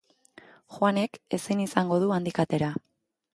Juanek ezin izango du handik atera.